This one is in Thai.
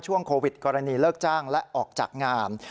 ช่วงโควิดกรณีเลิกจ้างและออกจากงาน